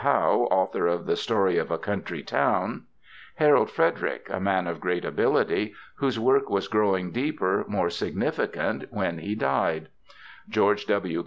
Howe, author of "The Story of a Country Town"; Harold Frederic, a man of great ability, whose work was growing deeper, more significant when he died; George W.